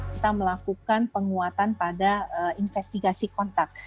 kita melakukan penguatan pada investigasi kontak